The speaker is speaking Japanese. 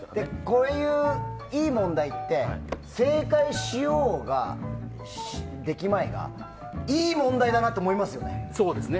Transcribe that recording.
こういういい問題って正解しようが、できまいがいい問題だなって思いますよね。